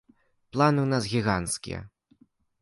Планы ў нас гіганцкія.